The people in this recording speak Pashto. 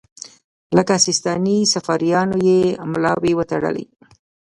لکه سیستاني صفاریانو یې ملاوې وتړلې.